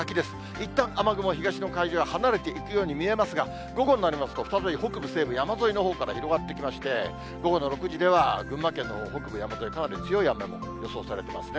いったん雨雲、東の海上へ離れていくように見えますが、午後になりますと、再び北部、西部、山沿いのほうから広がってきまして、午後の６時では群馬県の北部山沿い、かなり強い雨も予想されてますね。